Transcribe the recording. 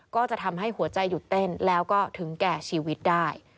ก็จะทำให้หัวใจหยุดเต้นแล้วก็ถึงแก่ชีวิตได้